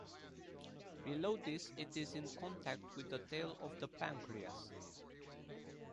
Below this it is in contact with the tail of the pancreas.